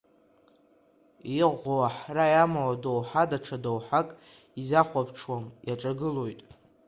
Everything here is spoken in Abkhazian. Иӷәӷәоу аҳра иамоу адоуҳа даҽа доуҳак изахәаҽуам, иаҿагылоит.